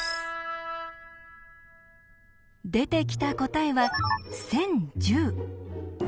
出てきた答えは１０１０。